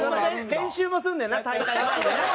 練習もすんねんな大会前にな。